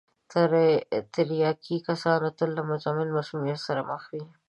تریاکي کسان تل له مزمن مسمومیت سره مخ وي.